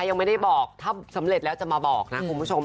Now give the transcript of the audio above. ยังไม่ได้บอกถ้าสำเร็จแล้วจะมาบอกนะคุณผู้ชม